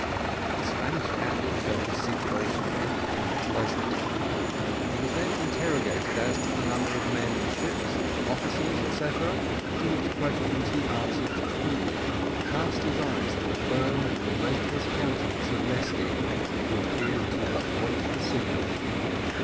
The Spanish captain felt his situation anything but pleasant. He was then interrogated as to the number of men in the ship, officers, etcetera, to all which questions he answered truly: he cast his eyes at the firm and relentless countenance of Mesty, who appeared but to wait the signal.